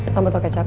sambal tau kecap